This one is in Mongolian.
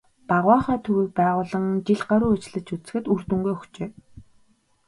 "Багваахай" төвийг байгуулан жил гаруй ажиллаж үзэхэд үр дүнгээ өгчээ.